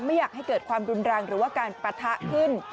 ไม่อยากให้เกิดความรุนแรงหรือว่าการปะทะขึ้น